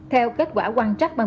theo kết quả quan trắc